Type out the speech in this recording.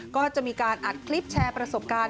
ก็จะมีการอัดคลิปแชร์ประสบการณ์